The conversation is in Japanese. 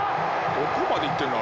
どこまで行ってんの？